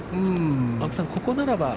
青木さん、ここならば。